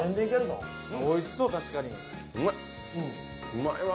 うまいわ。